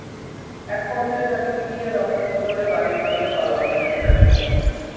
একপর্যায়ে তাঁকে পিটিয়ে রক্তাক্ত করে বাড়ির পাশের কলাবাগানে ফেলে রাখা হয়।